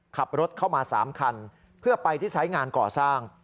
ขับรถเข้ามาสามคันเพื่อไปทิศัยงานเหรอสร้าง